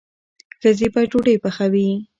ښځې به ډوډۍ پخوي.